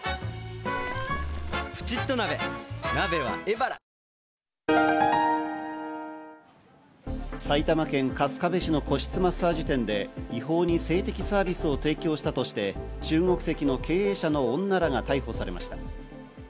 フランスでは埼玉県春日部市の個室マッサージ店で違法に性的サービスを提供したとして、中国籍の経営者の女らが逮捕されました。